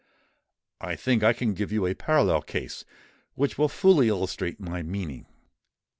I think I can give you a parallel case, which will fully illustrate my meaning.